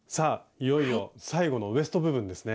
いよいよ最後のウエスト部分ですね。